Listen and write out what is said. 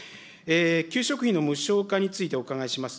給食費の無償化についてお伺いします。